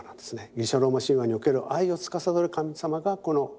ギリシャ・ローマ神話における愛をつかさどる神様がこのアモル。